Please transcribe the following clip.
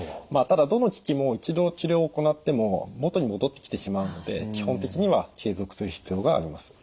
ただどの機器も一度治療を行っても元に戻ってきてしまうので基本的には継続する必要があります。